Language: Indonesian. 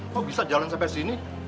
kok bisa jalan sampai sini